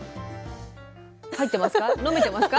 入ってますか？